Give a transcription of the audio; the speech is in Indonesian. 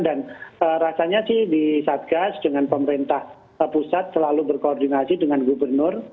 dan rasanya sih di satgas dengan pemerintah pusat selalu berkoordinasi dengan gubernur